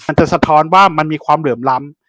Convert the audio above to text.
จะสะท้อนว่ามันมีความเหลื่อมล้ำ